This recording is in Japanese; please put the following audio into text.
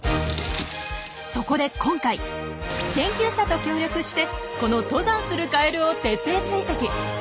そこで今回研究者と協力してこの登山するカエルを徹底追跡。